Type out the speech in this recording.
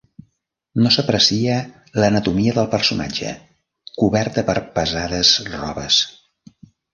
No s'aprecia l'anatomia del personatge, coberta per pesades robes.